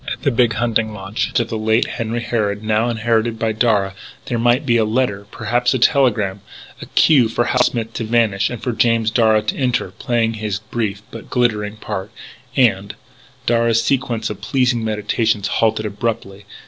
At the big hunting lodge of the late Henry Harrod now inherited by Darragh there might be a letter perhaps a telegram the cue for Hal Smith to vanish and for James Darragh to enter, play his brief but glittering part, and Darragh's sequence of pleasing meditations halted abruptly....